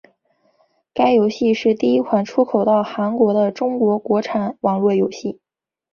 该游戏是第一款出口到韩国的中国国产网络游戏。